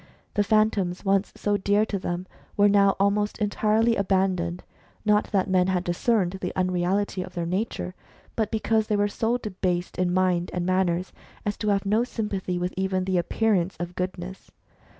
The Phantoms, once so dear to them, were now almost entirely aban doned, not that men had discerned the unreality of their nature, but because they were so debased in mind and manners as to have no sympathy with even the appearance of goodness.